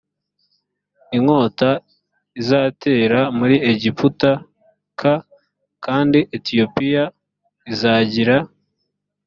inkota izatera muri egiputa k kandi etiyopiya izagira